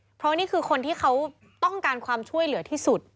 เพราะนี่คือคนที่เขาต้องการความช่วยเหลือที่สุด